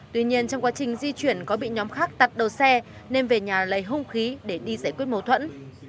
tuy nhiên trong quá trình di chuyển có bị nhóm khác tắt đầu xe nên về nhà lấy hung khí để đi giải quyết mâu thuẫn